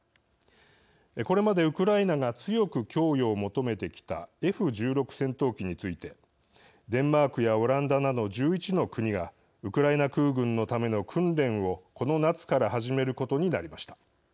これまでウクライナが強く供与を求めてきたＦ１６戦闘機についてデンマークやオランダなど１１の国がウクライナ空軍のための訓練をこの夏から始めることになりました。